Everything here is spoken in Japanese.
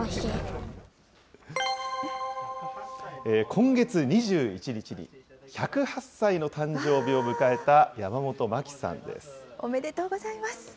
今月２１日に１０８歳の誕生日を迎えた山本まきさんです。